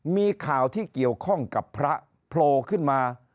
มีข่าวที่เกี่ยวข้องกับพระโผล่ขึ้นมา